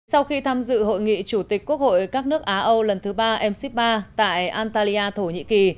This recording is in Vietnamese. sau khi tham dự hội nghị chủ tịch quốc hội các nước á âu lần thứ ba mc ba tại antalya thổ nhĩ kỳ